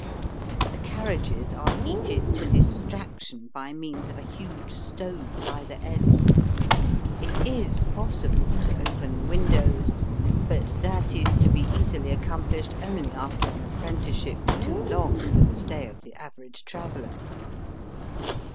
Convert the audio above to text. The carriages are heated to distraction by means of a huge stove at either end. It is possible to open the windows, but that is to be easily accomplished only after an apprenticeship too long for the stay of the average traveller.